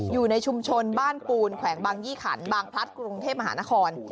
อยู่ในชุมชนบ้านปูนแขวงบางยี่ขันบางพลัดกรุงเทพมหานคร